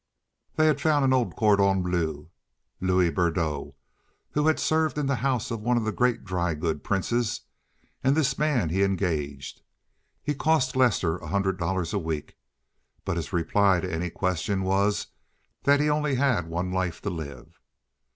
They had found an old cordon bleu, Louis Berdot, who had served in the house of one of the great dry goods princes, and this man he engaged. He cost Lester a hundred dollars a week, but his reply to any question was that he only had one life to live.